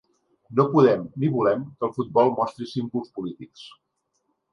No podem ni volem que el futbol mostri símbols polítics.